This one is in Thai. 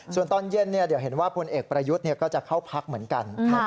ส่วนตอนเย็นเดี๋ยวเห็นว่าพลเอกประยุทธ์ก็จะเข้าพักเหมือนกัน